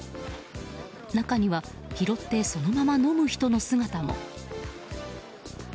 中には拾ってそのまま飲む人の姿も。